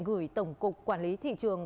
gửi tổng cục quản lý thị trường